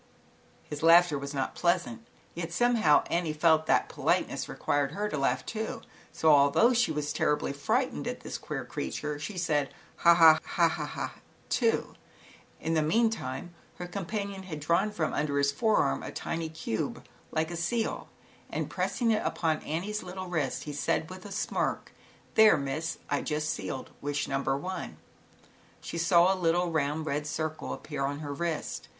His laughter was not pleasant, yet somehow Annie felt that politeness required her to laugh too, so, although she was terribly frightened at this queer ZAUBERLINDA, THE WISE WITCH. 101 creature, she said, " Ha ha ha ha ha," too. In the meantime her companion had drawn from under his forearm a tiny cube like a seal, and pressing it upon Annie's little wrist, he said with 5 ' JL^f a smirk, " There, Miss, I just sealed wish ^ ^V n^i number one." She saw a little round red eirc appear on her wrist.